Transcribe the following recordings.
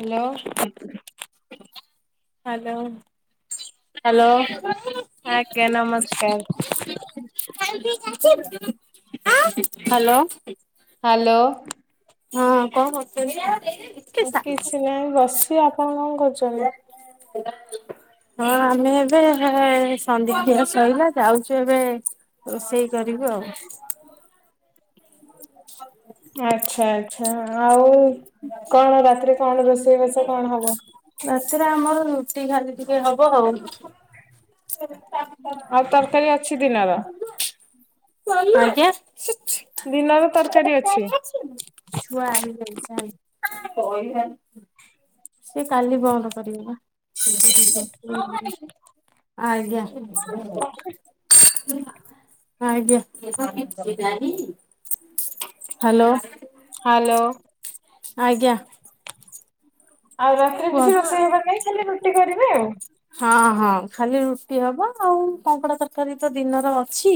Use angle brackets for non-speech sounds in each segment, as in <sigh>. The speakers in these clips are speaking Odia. Hello hello hello. ଆଜ୍ଞା ନମସ୍କାର। Hello hello. ହଁ କଣ କରୁଛନ୍ତି? କିଛି ନାହିଁ ବସିଚି ଆପଣ କଣ କରୁଛନ୍ତି? ହଁ ଆମେ ଏବେ ଏ ସନ୍ଧ୍ୟା ଦିଆ ଶଇଲା ଯାଉଛୁ ଏବେ ରୋଷେଇ କରିବୁ ଆଉ। <unintelligible> ଆଚ୍ଛା, ଆଚ୍ଛା ଆଉ କଣ ରାତିରେ କଣ ରୋଷେଇବାସ କଣ ହବ? ରାତିରେ ଆମର ରୁଟି ଖାଲି ଟିକେ ହବ। <inaudible> ଆଉ ତରକାରୀ ଅଛି ଦିନର। ଆଜ୍ଞା। ଦିନ ର ତରକାରୀ ଅଛି? ଛୁଆ ଆଇଲେଣି ଚାଲ। <inaudible> ସେ କାଲି ବନ୍ଦ କରିବ ପା। <inaudible> ଆଜ୍ଞା। ଆଜ୍ଞା, ହାଲୋ। ହାଲୋ। ଆଜ୍ଞା। ଆଉ ରାତିରେ କିଛି କୁହନ୍ତୁ। ରୋଷେଇ ହବାର ନାାଇଁ ଖାଲି ରୁଟି କରିବେ ଆଉ। ହଁ, ହଁ ଖାଲି ରୁଟି ହବ, ଆଉ କଙ୍କଡା ତରକାରୀ ତ ଦିନର ଅଛି।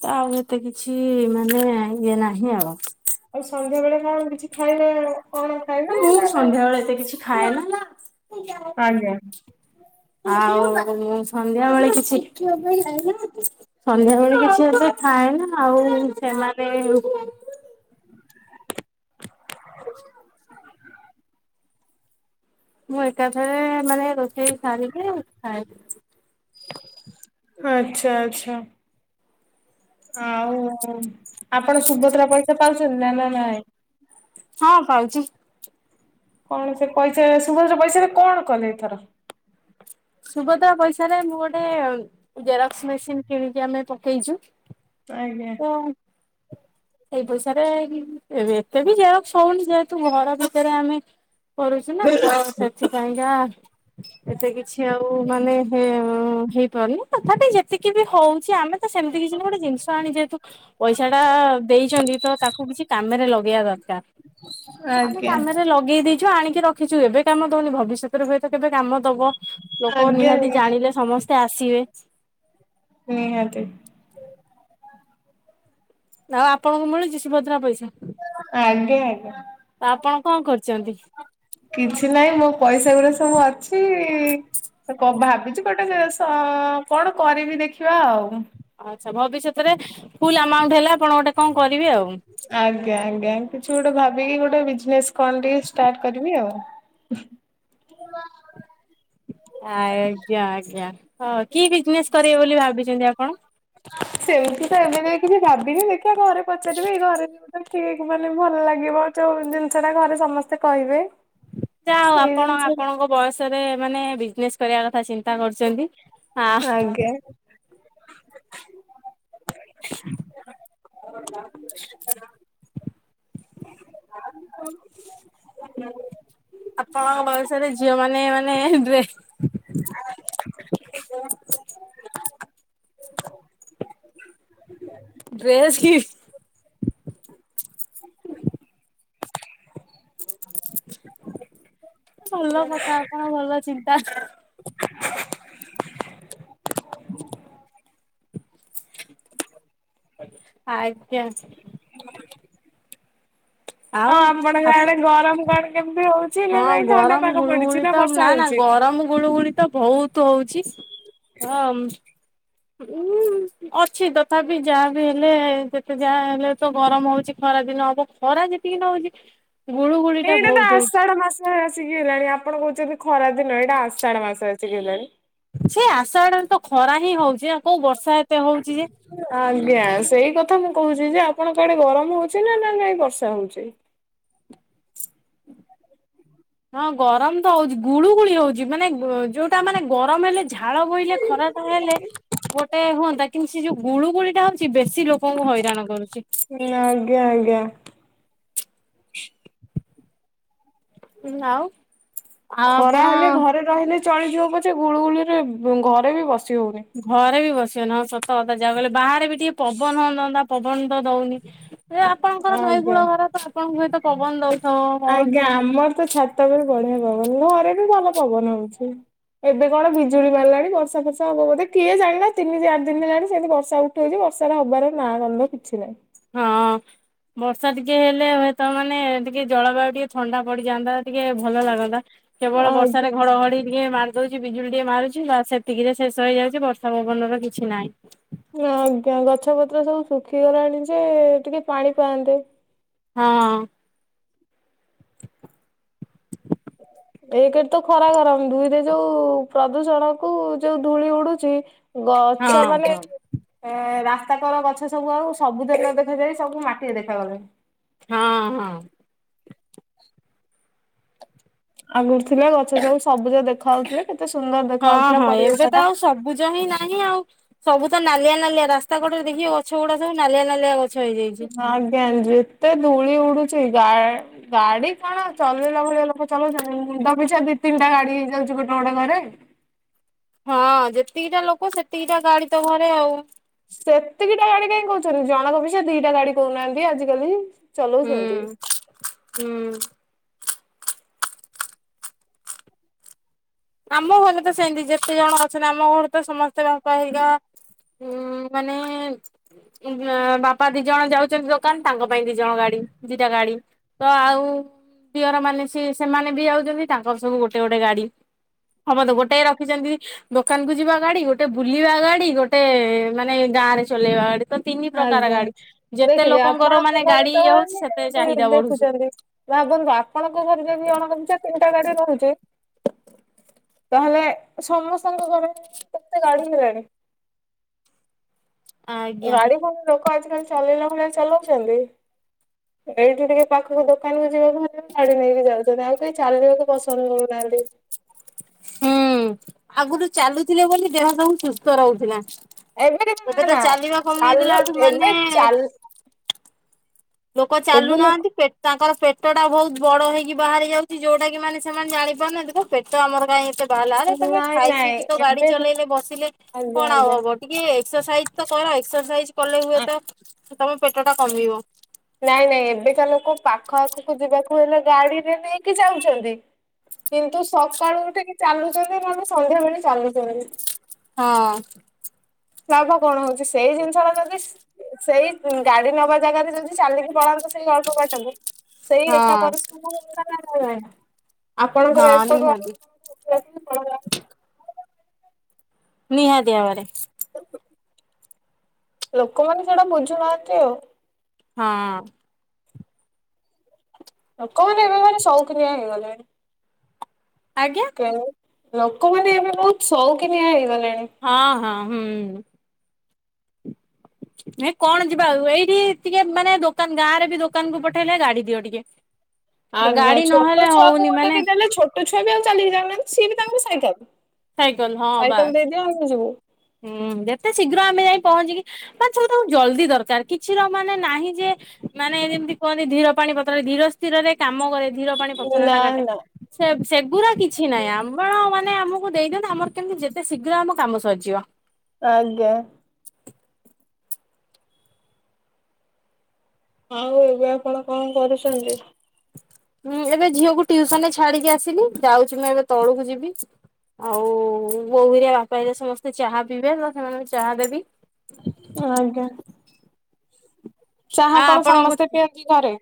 ତ ଆଉ ଏତେ କିଛି ମାନେ ଇଏ ନାହିଁ ଆଉ। ଆଉ ସନ୍ଧ୍ୟା ବେଳେ କଣ କିଛି ଖାଇନ? ନା ମୁଁ ସନ୍ଧ୍ୟା ବେଳେ ଏତେ କିଛି ଖାଏନା ନା। ଆଜ୍ଞା। ଆଉ ମୁଁ ସନ୍ଧ୍ୟା ବେଳେ କିଛି ସନ୍ଧ୍ୟାବେଳେ କିଛି ଏତେ ଖାଏନା। ଆଉ ସେମାନେ ମୁଁ ଏକାଥରେ ମାନେ ରୋଷେଇ ସାରିକି ଖାଏ। ଆଚ୍ଛା, ଆଚ୍ଛା। ଆଉ ଆପଣ ସୁଭଦ୍ରା ପଇସା ପାଉଛନ୍ତି ନା ନା ନାଇଁ? ହଁ ପାଉଛି। କଣ ସେ ପଇସା ସୁଭଦ୍ରା ପଇସା ରେ କଣ କଲେ ଏଇଥର? ସୁଭଦ୍ରା ପଇସାରେ ମୁଁ ଗୋଟେ ଜେରକ୍ସ ମେସିନ୍ କିଣିକି ଆମେ ପକେଇଚୁ। ଆଜ୍ଞା ତ <inaudible> ଏଇ ପଇସାରେ ଏ ଏତେ ବି ଜେରକ୍ସ ହଉନି। ଯେହେତୁ ଘର ଭିତରେ ଆମେ କରୁଛୁ ନା ତ ସେଥିପାଇଁକା ଏତେ କିଛି ଆଉ ମାନେ ହେ ଅଁ, ହେଇପାରୁନି ତଥାପି ଯେତିକି ବି ହଉଛି। ଆମେ ତ ସେମିତି କିଛି ନା ଗୋଟେ ଜିନିଷ ଆଣି ଯେହେତୁ ପଇସା ଟା ଦେଇଛନ୍ତି ତ ତାକୁ କିଛି କାମରେ ଲଗେଇବା ଦରକାର। ତ ଆମେ ଆଜ୍ଞା କାମରେ ଲଗେଇ ଦେଇ ଛୁ, ଆଣିକି ରଖିଛୁ, ଏବେ କାମ ଦଉନି ଭବିଷ୍ୟତରେ ହୁଏତ କେବେ କାମ ଦବ। ଲୋକ ଆଜ୍ଞା ନିହାତି ଆଜ୍ଞା। ଜାଣିଲେ ସମସ୍ତେ ଆସିବେ। ନିହାତି। ଆଉ ଆପଣଙ୍କୁ ମିଳିଚି ଶଭଦ୍ର ପଇସା? ଆଜ୍ଞା, ଆଜ୍ଞା। ତ ଆପଣ କଣ କରିଚନ୍ତି? କିଛି ନାଇ ମୋ ପଇସା ଗୁରା ସବୁ ଅଛି। ତ କ-ଭାବିଛି ଗୋଟେ ସେ ସ-କଣ କରିବି ଦେଖିବା ଆଉ। ଆଚ୍ଛା, ଭବିଷ୍ୟତରେ ଫୁଲ୍ ଆମାଉଣ୍ଟ ହେଲା ଆପଣ ଗୋଟେ କଣ କରିବେ ଆଉ। ଆଜ୍ଞା, ଆଜ୍ଞା କିଛି ଗୋଟେ ଭାବିକି ଗୋଟେ ବିଜନେସ୍ କଣ ଟିକେ ଷ୍ଟାର୍ଟ କରିବି ଆଉ। ଆଜ୍ଞା, ଆଜ୍ଞା ହଁ କି ବିଜନେସ୍ କରିବେ ବୋଲି ଭାବିଚନ୍ତି ଆପଣ? ସେମତି ତ ଏବେ ବି କିଛି ଭାବିନି ଦେଖିବା ଘରେ ପଚାରିବି ଏଇ ଘରେ <unintelligible> ଠିକ ମାନେ ଭଲ ଲାଗିବ ଯୋଉ ଜିନିଷ ଟା ଘରେ ସମସ୍ତେ କହିବେ। ଯାହା ହଉ ସେଇ ଆପଣ ଜିନିଷ ଆପଣଙ୍କ ବୟସରେ ମାନେ ବିଜନେସ୍ କରିବା କଥା ଚିନ୍ତା କରୁଛନ୍ତି। ହଁ ଆଜ୍ଞା। <inaudible> <inaudible> <inaudible> <inaudible> ଆପଣଙ୍କ ବୟସ ରେ, ଝିଅ ମାନେ ମାନେ ଡ୍ରେସ <inaudible> <inaudible> ଡ୍ରେସ କି? <inaudible> <unintelligible> ଭଲ କଥା ଆପଣ ଭଲ ଚିନ୍ତା। <inaudible> ଆଜ୍ଞା। ଆଉ ଆଁ ଆମପଟେ ଆ ଗାଁରେ ଗରମ କଣ କେମତି ହଉଛି। ନା ହଁ ନାଇଁ ଥଣ୍ଡା ଗରମ ପାଗ ପଡିଛି ଗୁଳୁଗୁଳି ତ, ବର୍ଷା ନା ନା ହଉଛି? ଗରମ ଗୁଳୁଗୁଳି ତ ବହୁତ ହଉଛି, ହଁ <unintelligible> ଅଛି, ତଥାପି ଯାହା ବିି ହେଲେ, ଯେତେ ଯାହା ହେଲେ ତ ଗରମ ହଉଛି, ଖରା ଦିନ ହବ। ଖରା ଯେତିକି ନଉଛି <inaudible> ଗୁଳୁ ଗୁଳି ଟା ବହୁତ ହଉଛି। ଆ ଆସିକି ହେଲାଣି ଆପଣ କହୁଛନ୍ତି ଖରା ଦିନ, ଏଇଟା ଆଷାଢ ମାସ ଆସିକି ହେଲାଣି। ସେ ଆସାଢଡା ତ ଖରା ହିଁ ହଉଛି, କୋଉ ବର୍ଷା ହେ ଆଜ୍ଞା। ସେଇ କଥା ମୁଁ କହୁଛି ଯେ, ଆପଣ କଆଡେ ଗରମ ହଉଛି, ନା ନା ନାଇଁ ବର୍ଷା ହଉଛି? <inaudible> ହଁ ଗରମ ତ ହଉଛି, ଗୁଳୁ ଗୁଳି ହଉଛି, ମାନେ, ଯୋଉଟା ମାନେ, ଗରମ ହେଲେ ଝାଳ ବୋଇଲେ ଖରାପ ତାହେଲେ ଗୋଟେ ହୁଅନ୍ତା। କିନ୍ତୁ ସେ ଯୋଉ ଗୁଳୁ ଗୁଳି ଟା ହଉଛି, ବେଶୀ ଲୋକଙ୍କୁ ହଇରାଣ କରୁଛି। ହୁଁ, ଆଜ୍ଞା ଆଜ୍ଞା। ଆଉ? ଖରା ଆପଣ ହେଲେ, ଘରେ ରହିଲେ ଚଳିଯିବ ପଛେ, ଗୁଳୁଗୁଳି ରେ ଘରେ ବି ବସି ହଉନି। ଘରେ ବି ବସିହଉନି, ହଁ ସତ କଥା ଯାହା କହିଲେ, ବାହାରେ ବି ଟିକେ ପବନ ହୁଅନ୍ତା ପବନ ତ ଦଉନି ଏ ଆପଣଙ୍କର ଆଜ୍ଞା। ନଈକୂଳ ଘର ତ ଆପଣଙ୍କୁ ହୁଏତ ପବନ ଦଉଛି। ଆଜ୍ଞା ଆମର ତ ଛାତ ପ ବଢିଆ ପବନ, ଘରେ ବି ଭଲ ପବନ ହଉଛି। ଏବେ କଣ ବିଜୁଳିମାରିଲାଣି, ବର୍ଷା ଫର୍ଷା ହବ ବୋଧେ? କିଏ ଜାଣିଲା ତିନି ଚାରି ଦିନ ହେଲାଣି ସେମିତି ବର୍ଷା ଉଠି ଉଛି ବର୍ଷା ଟ ହବାର ନା ଗନ୍ଧ କିଛି ନାହିଁ। ହଁ। ବର୍ଷା ଟିକେ ହେଲେ ହୁଏତ ମାନେ ଟିକେ ଜଳବାୟୁ ଟିକେ ଥଣ୍ଡା ପଡିଯାନ୍ତା, ଟିକେ ଭଲ ଲାଗନ୍ତା, କେବଳ ବର୍ଷାରେ ଆଜ୍ଞା ଘଡଘଡି ଟିକେ ଦଉଛି ବିଜୁଳି ଟିକେ ମାରୁଛି, ବା ସେତିକିରେ ଶେଷ ହେଇଯାଉଛି, ବର୍ଷା ପବନର କିଛି ନାହିଁ। ଆଜ୍ଞା। ଗଛ ପତ୍ର ସବୁ ଶୁଖିଗଲାଣି ଯେ, ଟିକେ ପାଣି ପାଆନ୍ତେ। ହଁ ଏକେରେ ତ ଖରା ଗରମ, ଦୁଇରେ ଯୋଉ ପ୍ରଦୂଷଣ କୁ ଯୋଉ ଧୂଳି ଉଡୁଛି ହଁ ଗଛ ହଁ ମାନେ ହଁ। ଏ ରାସ୍ତାକର ଗଛ ସବୁ ଆଉ ସବୁଜ ନ ଦେଖାଯାଇ, ସବୁ ମାଟିଆ ଦେଖାାଗଲାନି। ହଁ ହଁ। ଆଗରୁ ଥିଲା ଗଛ ସବୁ ସବୁଜ ଦେଖା ଯାଉଉଥିଲା। କେତେ ସୁନ୍ଦର ଦେଖା ଯାଉଥିଲା ପରିବେଶ ଟା। ସୂରୁଜ ହିଁ ନାହିଁ, ଆଉ ସବୁ ତ ନାଲିଆ, ନାଲିଆ। ରାସ୍ତା କଡରେ ଦେଖିକି ଗଛ ଗୁଡା ସବୁ ନାଲିଆ ନାଲିଆ ଗଛ। ହେଇଯାଇଛି। ଆଜ୍ଞା ଯେତେ ଧୂଳି ଉଡୁଛି ଗା ଗାଡି କଣ ଚଲେଇଲା ଭଳିଆ ଲୋକ ଚଲଉଛନ୍ତି, ମୁଣ୍ଡ ପିଛା ଦି ତିନିଟା ଗାଡି ହେଇଯାଉଛି ଗୋଟେ ଗୋଟେ ଘରେ। ହଁ ଯେତିକିଟା ଲୋକ, ସେତିକିଟା ଗାଡି, ତ ଘରେ ଆଉ। ସେତିକିଟା ଗାଡି କାହିଁ କହୁଛନ୍ତି, ଜଣକ ପିଛା ଦିଟା ଗାଡି କହୁନାହାନ୍ତି, ଆଜିକାଲି ହୁଁ। ଚଲାଉଛନ୍ତି। <unintelligible> ହୁଁ ଆମ ଘରେ ତ ସେମିତି ଯେତେ ଜଣ ଅଛନ୍ତି ଆମ ଘରେ ତ ସମସ୍ତେ ବାପା ହେରୀକା ଉଁ ମାନେ ବାପା ଦି ଜଣ ଯାଉଛନ୍ତି ଦୋକାନ ତାଙ୍କ ପାଇଁ ଦି ଜଣ ଗାଡି ଦିଟା ଗାଡି ତ ଆଉ ଦିଅର ମାନେ ସି ସେମାନେ ବି ଯାଉଛନ୍ତି ତାଙ୍କର ସବୁ ଗୋଟେ ଗୋଟେ ଗାଡି। ଆମର ତ ଗୋଟାଏ ରଖିଛନ୍ତି ଦୋକାନ କୁ ଯିବା ଗାଡି ଗୋଟେ ବୁଲିବା ଗାଡି ଗୋଟେ ମାନେ ଗାଁ ରେ ଚଲେଇବା ଗାଡି। ତ ତିନି ପ୍ରକାର ଆଜ୍ଞା। ଗାଡି ଯେତେ ଦେଖିଲେ ଲୋକଙ୍କର ଆପଣଙ୍କ ମାନେ ଘରେ ଗାଡି ତ ଇଏ ହୋଉଛି ସେତେ ଏମିତି ଚାହିଦା ବଢୁଛି। ଦେଖୁଛନ୍ତି। ଭାବନ୍ତୁ ଆପଣଙ୍କ ଘରେ ଯଦି ଜଣଙ୍କ ପିଛା ତିନିଟା ଗାଡି ରହୁଛି ତାହେଲେ ସମସ୍ତଙ୍କ ଘରେ କେତେ ଗାଡି ହେଲାଣି। ଆଜ୍ଞା ଗାଡି କଣ ଲୋକ ଆଜିକାଲି ଚାଲେଇଲା ଭଳିଆ ଚଲଉଛନ୍ତି। ଏଇଠି ଟିକେ ପାଖକୁ ଦୋକାନକୁ ଯିବାକୁ ହେଲେ ଗାଡି ନେଇକି ଯାଉଛନ୍ତି ଆଉ କେହି ଚାଲିବାକୁ ପସନ୍ଦ କରୁନାହାନ୍ତି। ହୁଁ ଆଗରୁୁ ଚାଲୁଥିଲେ ବୋଲି ଦେହ ସବୁ ସୁସ୍ଥ ରହୁଥିଲା। ଟିକେ ନା ଏବେ ତ ନା ଚାଲିବା ଚାଲୁ କମେଇଦେଲାଠୁ ମାନେ ଏବେ ଚାଲ ଲୋକ ଏବେ ଲୋକ ଚାଲୁନାହାନ୍ତି ପେ ତାଙ୍କର ପେଟ ଟା ବହୁତ ବଡ ହେଇକି ବାହାରି ଯାଉଛି ଯୋଉଟା କି ମାନେ ସେମାନେ ଜାଣି ପାରୁନାହାନ୍ତି ତ ପେଟ ଆମର କାହିଁ ଏତେ ବାଲାରେ ତମେ ନାଇଁ ଖାଇ ନାଇଁ ପିଇକି ତ ଗାଡି ଏବେ ଚଲେଇଲେ ବସିଲେ ଆଜ୍ଞା କଣ ଆଉ ଆଜ୍ଞା ହବ ଟିକେ ଏକ୍ସରସାଇଜ ତ କର ଏକ୍ସରସାଇଜ କଲେ ହୁଏତ ତମ ପେଟ ଟା କମିବ। ନାଇଁ ନାଇଁ ଏବେକା ଲୋକ ପାଖ ଆଖକୁ ଯିବାକୁ ହେଲେ ଗାଡିରେ ନେଇକି ଯାଉଛନ୍ତି କିନ୍ତୁ ସକାଳୁ ଟିକେ ଚାଲୁଛନ୍ତି ନହେଲେ ସନ୍ଧ୍ୟା ବେଳେ ଚାଲୁଛନ୍ତି। ହଁ। ଲାଭ କଣ ହୋଉଛି ସେଇ ଜିନିଷଟା ଯଦି ସେଇ ଗାଡି ନବା ଜାଗାରେ ଯଦି ଚାଲିକି ପଳାନ୍ତୁ ସେଇ ଅଳ୍ପ ବାଟକୁ ସେଇ ହଁ ଏକା ପରିଶ୍ରମ ହେଲା ନ ନାଇ। ଆପଣଙ୍କର ହଁ ଏପଟୁ ଆ ନିହାତି <unintelligible> ନିହାତି ଭାବରେ। ଲୋକମାନେ ସେଇଟା ବୁଝୁନାହାନ୍ତି ଆଉ। ହଁ। ଲୋକମାନେ ଏବେ ମାନେ ସୌକିନିଆ ହେଇଗଲେଣି। ଆଜ୍ଞା? ଲୋକମାନେ ଏବେ ବହୁତ ସୋଉକିନିଆ ହେଇଗଲେଣି। ହଁ ହଁ ହୁଁ। ଏ କଣ ଯିବା ଆଉ ଏଇଠି ଟିକେ ମାନେ ଦୋକାନ ଗାଁରେ ବି ଦୋକାନକୁ ପଠେଇଲେ ଗାଡି ଦିଅ ଟିକେ। ତ ଆଜ୍ଞା ଗାଡି ଛୋଟ ନହେଲେ ଛୁଆକୁ ହଉନି ଗୋଟେ ମାନେ ବି ଦେଲେ ଛୋଟ ଟ ଛୁଆ ବି ଆଉ ଚାଲିକି ଯାଉନାହାନ୍ତି ସିଏ ବି ତାଙ୍କୁ ସାଇକେଲ। ସାଇକେଲ ହଁ ସାଇକେଲ ବାସ୍ ଦେଇଦିଅ ଆମେ ଯିବୁ। ହୁଁ ଯେତେ ଶୀଘ୍ର ଆମେ ଯାଇ ପହଞ୍ଚିକି ମାନେ ସବୁ ତାଙ୍କୁ ଜଲଦି ଦରକାର କିଛିର ମାନେ ନାହିଁ ଯେ ମାନେ ଯେମତି କୁହନ୍ତି ଧୀର ପାଣି ପଥର ଧୀର ସ୍ଥିରରେ କାମ କରେ ଧୀର ପାଣି ପଥର ନା ଟା କାଟେ। ନା ସେ ସେଗୁୁରା କିଛି ନାହିଁ ଆମ ମାନେ ଆମକୁ ଦେଇଦିଅନ୍ତୁ ଆମର କେମିତି ଯେତେ ଶୀଘ୍ର ଆମ କାମ ସରିଯିବ। ଆଜ୍ଞା। ଆଉ ଏବେ ଆପଣ କଣ କରୁଛନ୍ତି? ହୁଁ ଏବେ ଝିଅକୁ ଟିଉସନରେ ଛାଡିକି ଆସିଲି ଯାଉଛି ମୁଁ ଏବେ ତଳକୁ ଯିବି। ଆଉ ବୋଉ ହେରିକା ବାପା ବାପା ହେରିକା ସମସ୍ତେ ଚାହା ପିଇବେ ତ ସେମାନଙ୍କୁ ଚାହା ଦେବି। ଆଜ୍ଞା ଆ ଚାହା କଣ ଆପଣଙ୍କ ସମସ୍ତେ ପିଅନ୍ତି ଘରେ?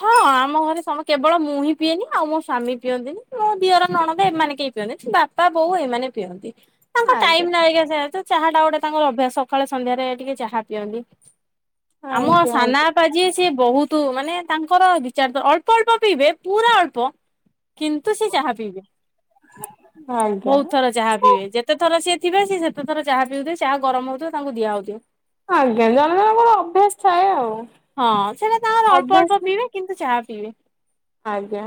ହଁ ଆମ ଘରେ ସମ୍ କେବଳ ମୁଁ ହିଁ ପିଏନି। ଆଉ ମୋ ସ୍ୱାମୀ ପିଅନ୍ତିନି ମୋ ଦିଅର ନଣନ୍ଦ ଏମାନେ କେହି ପିଅନ୍ତିନି ବାପ ପା ବୋଉ ଏମାନେ ପିଅନ୍ତି। ତାଙ୍କ ଟାଇମ ଆଜ୍ଞା। ନା ଆଇକା ଚାହା ଟା ଗୋଟେ ତାଙ୍କ ର ଅଭ୍ୟାସ ସକାଳେ ସନ୍ଧ୍ୟାରେ ଟିକେ ଚାହା ପିଅନ୍ତି। ଆମ ଆଜ୍ଞା ସାନା ଆଜ୍ଞା ବାପା ଯିଏ ସିଏ ବହୁତ ମାନେ ତାଙ୍କର ବିଚାର ତ ଅଳ୍ପ ଅଳ୍ପ ପିଇବେ ପୁରା ଅଳ୍ପ କିନ୍ତୁ ସେ ଚାହା ପିଇବେ ଆଜ୍ଞା ବହୁତ ଥର ଚାହା ପିଇବେ ଯେତ ଯେତେଥର ସିଏ ଥିବେ ସେ ସେତେଥର ଚା ପିଉଥିବେ ଚାହା ଗରମ ହୋଉଥିବ ତାଙ୍କୁ ଦିଆହୋଉଥିବ। ଆଜ୍ଞା ଜଣ ଜଣଙ୍କର ଅଭ୍ୟାସ ଥାଏ ଆଉ। ହଁ ସେଇଟା ତାଙ୍କର ଅଳ୍ପ ଅଳ୍ପ ଅଭ୍ୟାସ ପିଇବେ କିନ୍ତୁ ଚାହା ପିଇବେ। ଆଜ୍ଞା।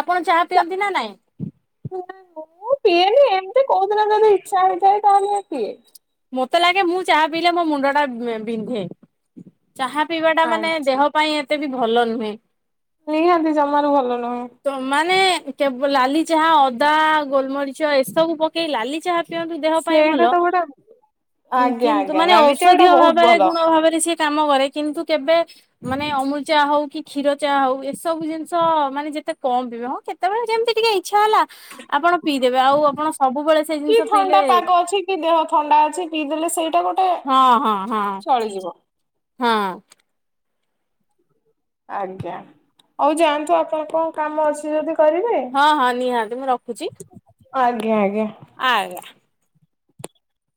ଆପଣ ଚା ପିଅନ୍ତି ନା ନାଇଁ? ମୁଁ ପିଏନି ଏମତି କଉ ଦିନ ଯଦି ଇଚ୍ଛା ହେଇଯଏ ତାହଲେ ପିଏ। ମତେ ଲାଗେ ମୁଁ ଚାହା ପିଇଲେ ମୋ ମୁଣ୍ଡ ଟା ବି ଏ ବିନ୍ଧେ। ଚାହା ପିଇବା ଟା ମାନେ ଆଚ୍ଛା ଦେହ ପାଇଁ ଏତେ ବି ଭଲ ନୁହେଁ। ନିହାତି ଜମାରୁ ଭଲ ନୁହେଁ। ତ ମାନେ କେବ ଲାଲି ଚାହା ଅଦା ଗୋଲମରିଚ ଏସବୁ ପକେଇ ଲାଲି ଚାହା ପିଅନ୍ତୁ ଦେହ ପାଇଁ ସେଇଟା ଭଲ। ତ ଗୋଟେ ଆଜ୍ଞା କିନ୍ତୁ ଆଜ୍ଞା ମାନେ ନାଲି ଚା ଔଷଧୀୟ ଟା ବହୁତ ଭାବରେ ଭଲ। ଗୁଣ ଭାବରେ ସିଏ କାମ କରେ କିନ୍ତୁ କେବେ ମାନେ ଅମୁଲ ଚା ହଉ କି କ୍ଷୀର ଚା ହଉ ଏସବୁ ଜିନିଷ ମାନେ ଯେତେ କମ ପିବେ। ହଁ କେତେ କେତେବେଳେ କେମିତି ଟିକେ ଇଚ୍ଛା ହେଲା ଆପଣ ପିଇଦେବେ ଆଉ ଆପଣ ସବୁବେଳେ ସେଇ କି ଜିନିଷ ଥଣ୍ଡା ପିଇଲେ ପାଗ ଅଛି କି ଦେହ ଥଣ୍ଡା ଅଛି ପିଇ ଦେେଲେ ସେଇଟା ଗୋଟେ ହଁ ହଁ ହଁ। ଚଳିଯିବ। ହଁ। ଆଜ୍ଞା। ହଉ ଯାଆନ୍ତୁ ଆପଣ କଣ କାମ ଅଛି ଯଦି କରିବେ। ହଁ ହଁ ନିହାତି ମୁଁ ଆଜ୍ଞା ଆଜ୍ଞା। ଆଗ୍ୟା।